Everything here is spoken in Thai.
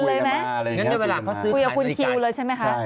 นั่นเดี๋ยวเวลาเขาซื้อขายในการณ์คุยกับคุณคิวเลยใช่ไหมคะ